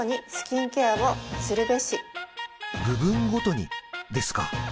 部分ごとにですか